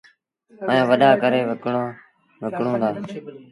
ائيٚݩ وڏآ ڪري وڪڻون دآ۔